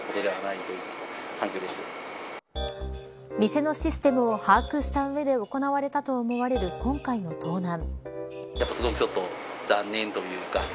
店のシステムを把握した上で行われたと思われる今回の盗難。